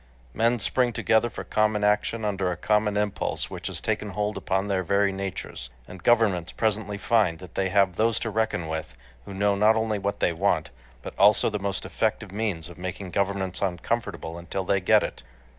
Men spring together for common action under a common impulse which has taken hold upon their very natures, and governments presently find that they have those to reckon with who know not only what they want, but also the most effective means of making governments uncomfortable until they get it.